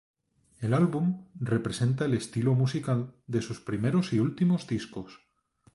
El álbum representa el estilo musical de sus primeros y últimos discos.